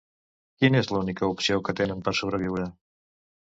Quina és l'única opció que tenen per sobreviure?